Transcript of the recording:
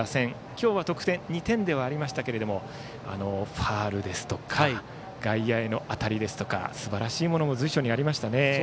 今日は得点２点ではありましたがファウルですとか外野への当たりですとかすばらしいものも随所にありました。